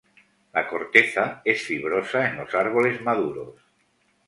La corteza es fibrosa en los árboles maduros.